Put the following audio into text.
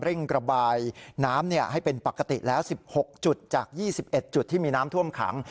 ระบายน้ำให้เป็นปกติแล้ว๑๖จุดจาก๒๑จุดที่มีน้ำท่วมขัง